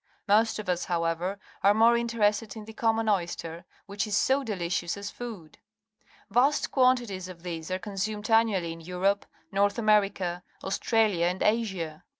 Most of us, however, are more interested in the common oyster, which is so delicious as food. Vast quantities of these are con sumed annually in Europe, North America, Australia, and Asia.